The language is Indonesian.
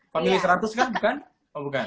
family seratus kan bukan